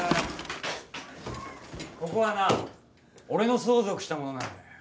ここはな俺の相続したものなんだよ。